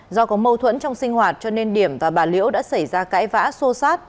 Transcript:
do có mâu thuẫn trong sinh hoạt cho nên điểm và bà liễu đã xảy ra cãi vã sô sát